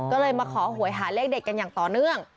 ก็เลยมาขอหวยหาเลขเด็ดกันอย่างต่อเนื่อง